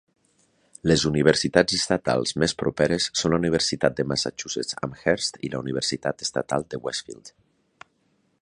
Les universitats estatals més properes són la Universitat de Massachusetts Amherst i la Universitat Estatal de Westfield.